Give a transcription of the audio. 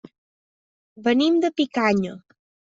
Venim de Picanya.